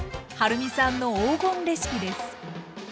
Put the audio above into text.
はるみさんの黄金レシピです。